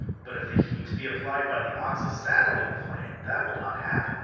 But if the heat be applied by the oxyacetylene flame that will not happen.